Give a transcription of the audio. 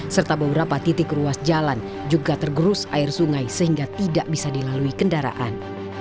serta beberapa titik ruas jalan juga tergerus air sungai sehingga tidak bisa dilalui kendaraan